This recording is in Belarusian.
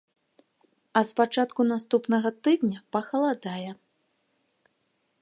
А з пачатку наступнага тыдня пахаладае.